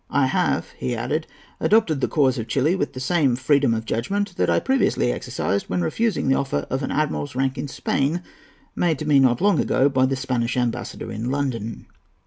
"I have," he added, "adopted the cause of Chili with the same freedom of judgment that I previously exercised when refusing the offer of an admiral's rank in Spain, made to me not long ago by the Spanish ambassador in London."